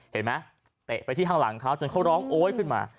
เตะไปที่ข้างหลังเขาจนเขาร้องโอ๊ยขึ้นมา